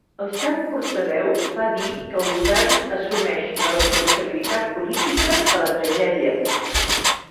El seu portaveu va dir que "el govern assumeix la responsabilitat política de la tragèdia".